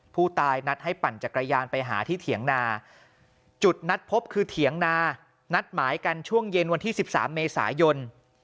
ผู้ตายนัดให้ปั่นจักรยานไปหาที่เถียงนาจุดนัดพบคือเถียงนานัดหมายกันช่วงเย็นวันที่๑๓เมษายน